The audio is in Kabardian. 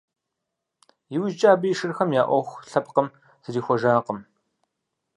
Иужькӏэ абы и шырхэм я ӏуэху лъэпкъ зрихуэжыркъым.